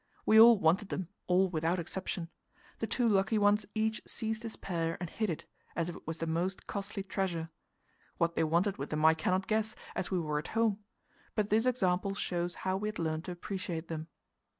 We all wanted them all, without exception. The two lucky ones each seized his pair and hid it, as if it was the most costly treasure. What they wanted with them I cannot guess, as we were at home; but this example shows how we had learnt to appreciate them.